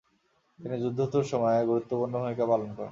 তিনি যুদ্ধোত্তর সময়ে গুরুত্বপূর্ণ ভূমিকা পালন করেন।